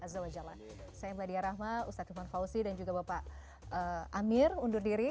saya mladia rahma ustaz tuhan fauzi dan juga bapak amir undur diri